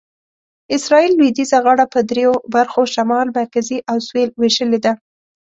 اسرایل لویدیځه غاړه په دریو برخو شمال، مرکزي او سویل وېشلې ده.